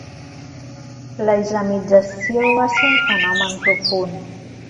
La islamització va ser un fenomen profund.